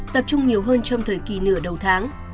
tập trung nhiều hơn trong thời kỳ nửa đầu tháng